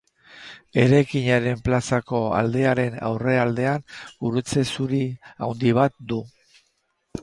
Eraikinaren plazako aldearen aurrealdean gurutze zuri handi bat du.